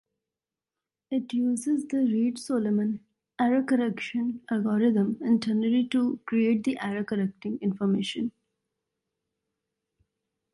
It uses the Reed-Solomon error correction algorithm internally to create the error correcting information.